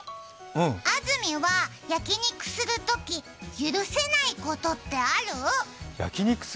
安住は、焼肉するとき許せないことってある？